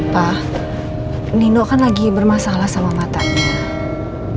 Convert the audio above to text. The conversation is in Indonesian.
pak nino kan lagi bermasalah sama matanya